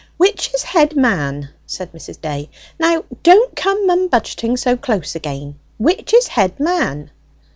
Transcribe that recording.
"Which is head man?" said Mrs. Day. "Now, don't come mumbudgeting so close again. Which is head man?"